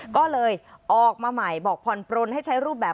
ก็เลยออกมาใหม่บอกผ่อนปลนให้ใช้รูปแบบ